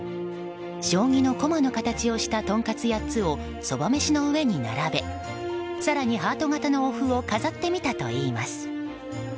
将棋の駒の形をしたとんかつ８つをそばめしの上に並べ更にハート形のおふを飾ってみたといいます。